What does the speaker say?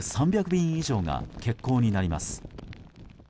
便以上が欠航になります。